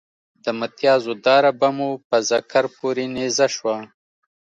د متیازو داره به مو په ذکر پورې نیزه شوه.